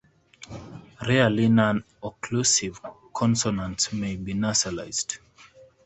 Rarely, non-occlusive consonants may be nasalized.